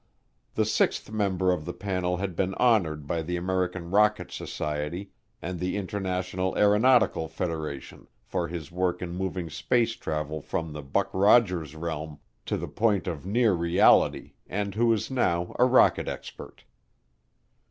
The sixth member of the panel had been honored by the American Rocket Society and the International Astronautical Federation for his work in moving space travel from the Buck Rogers realm to the point of near reality and who is now a rocket expert.